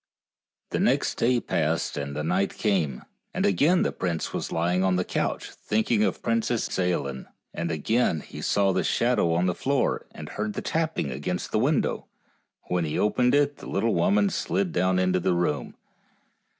The next day passed and the night came, and again the prince was lying on the couch, thinking of the Princess Ailinn, and again he saw the THE ENCHANTED CAVE 63 shadow on the floor and heard the tapping against the window. And when he opened it the little woman slid into the room.